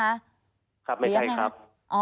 ครับไม่ใช่ครับ